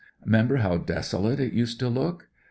'Member how desolate it used to look?